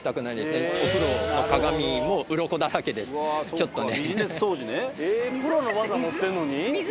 ちょっとね。